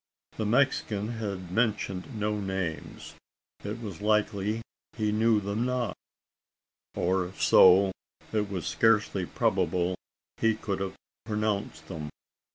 The Mexican had mentioned no names. It was likely he knew them not; or if so, it was scarcely probable he could have pronounced them.